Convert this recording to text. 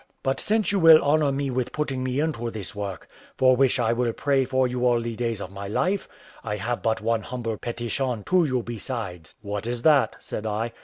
But since you will honour me with putting me into this work, for which I will pray for you all the days of my life, I have one humble petition to you besides." "What is that?" said I.